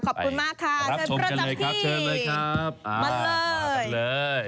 ขอบคุณมากค่ะเชิญประจำที่มาเลย